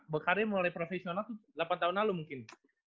bekarnya mulai profesional delapan tahun lalu mungkin